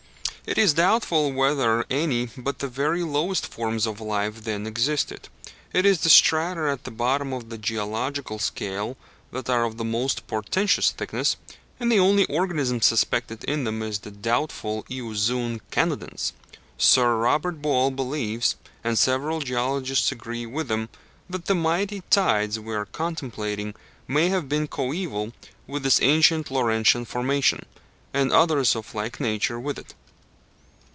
It is doubtful whether any but the very lowest forms of life then existed. It is the strata at the bottom of the geological scale that are of the most portentous thickness, and the only organism suspected in them is the doubtful Eozoon Canadense. Sir Robert Ball believes, and several geologists agree with him, that the mighty tides we are contemplating may have been coæval with this ancient Laurentian formation, and others of like nature with it.